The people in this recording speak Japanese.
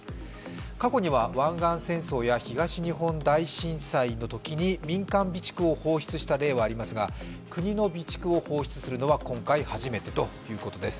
過去には湾岸戦争や東日本大震災のときに民間備蓄を放出した例はありますが国の備蓄を放出するのは今回が初めてということです。